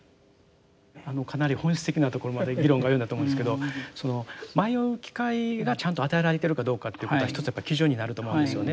かなり本質的なところまで議論が及んだと思うんですけど迷う機会がちゃんと与えられてるかどうかということは一つやっぱり基準になると思うんですよね。